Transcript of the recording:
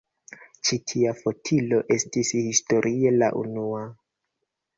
Ĉi tia fotilo estis historie la unua.